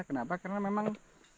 kenapa karena memang